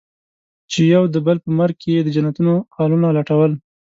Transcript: چې يو د بل په مرګ کې يې د جنتونو خالونه لټول.